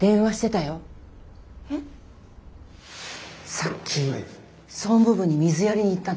さっき総務部に水やりに行ったの。